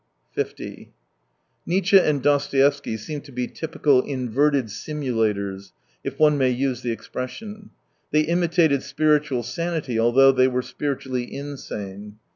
(so'' Nietzsche and Dostoevsky seem to be typical " inverted simulators," if one may use the expression. They imitated spiritual sanity, although they were spiritually insane.